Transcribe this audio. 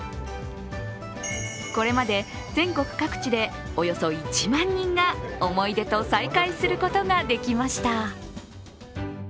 これまで全国各地でおよそ１万人が思い出と再会することができました。